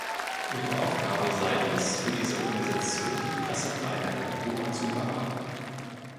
Ihre Aufgabe sei es, für diese Organisation die Pressefreiheit in Kuba zu überwachen.